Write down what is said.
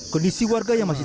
kondisi warga yang masih